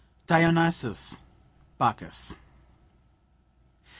DIONYSUS (BACCHUS).